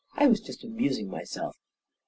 " I was just amusing myself !